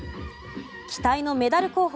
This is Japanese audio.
期待のメダル候補